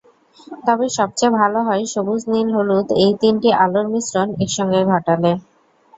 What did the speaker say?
তবে সবচেয়ে ভালো হয়, সবুজ, নীল, হলুদ-এই তিনটি আলোর মিশ্রণ একসঙ্গে ঘটালে।